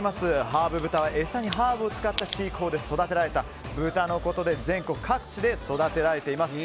ハーブ豚は餌にハーブを使った飼育法で育てられた豚のことで全国各地で育てられています。